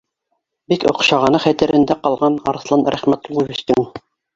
Бик оҡшағаны хәтерендә ҡалған Арыҫлан Рәхмәтулловичтың